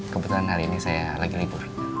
kebetulan hari ini saya lagi libur